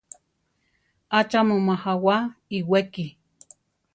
¿Acha mu majawá iwéki?